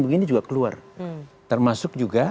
begini juga keluar termasuk juga